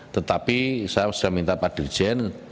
tetapi saya sudah minta pak dirjen